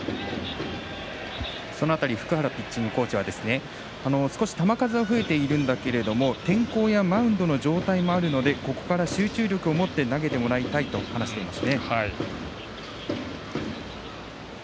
その辺り福原ピッチングコーチは少し球数は増えているんだけども天候やマウンドの状態もあるのでここから集中力を持って投げてもらいたいと話しています。